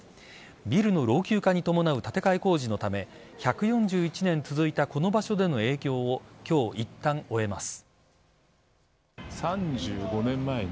ビルの老朽化に伴う建て替え工事のため１４１年続いたこの場所での営業を今日、いったん終えます。